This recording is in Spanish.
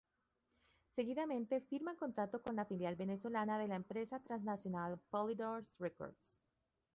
Seguidamente, firman contrato con la filial venezolana de la empresa transnacional Polydor Records.